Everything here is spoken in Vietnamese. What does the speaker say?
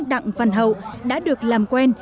đặng văn hậu đã được làm quen